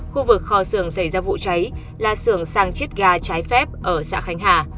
khu vực kho xưởng xảy ra vụ cháy là xưởng sang chiếc gà cháy phép ở xã khánh hà